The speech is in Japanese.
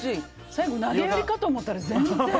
最後投げやりかと思ったら、全然。